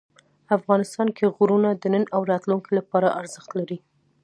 افغانستان کې غرونه د نن او راتلونکي لپاره ارزښت لري.